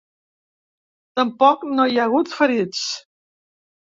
Tampoc no hi ha hagut ferits.